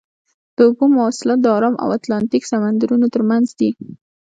د اوبو مواصلات د ارام او اتلانتیک سمندرونو ترمنځ دي.